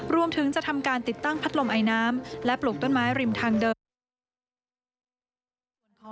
รวมถึงจะทำการติดตั้งพัดลมไอน้ำและปลูกต้นไม้ริมทางเดิม